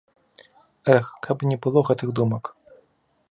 Эх, каб не было гэтых думак!